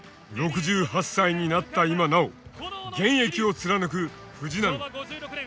６８歳になった今なお現役を貫く藤波。